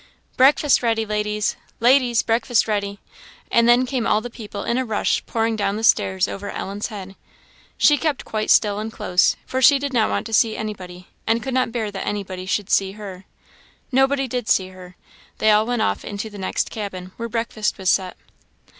"Breakfast ready, ladies! Ladies, breakfast ready!" and then came all the people in a rush pouring down the stairs over Ellen's head. She kept quite still and close, for she did not want to see anybody, and could not bear that anybody should see her. Nobody did see her they all went off into the next cabin, where breakfast was set.